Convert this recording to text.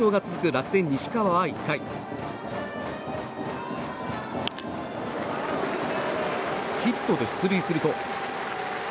楽天、西川は１回、ヒットで出塁すると。